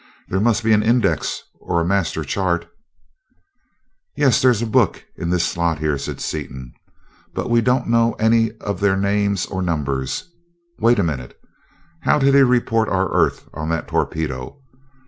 There must be an index or a master chart." "Yeah, there's a book in this slot here," said Seaton, "but we don't know any of their names or numbers wait a minute! How did he report our Earth on that torpedo?